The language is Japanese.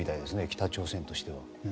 北朝鮮としては。